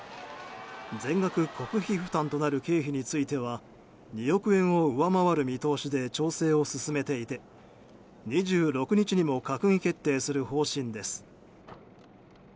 全額国費負担となる経費については２億円を上回る見通しで調整を進めていて２６日にも閣議決定する方針です。